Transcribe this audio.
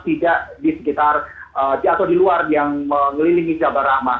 tidak di sekitar atau di luar yang mengelilingi jabal rahmah